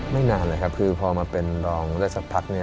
ไม่นานเลยคือพอมาเป็นรองสักพัก